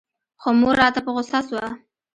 خو مور راته په غوسه سوه.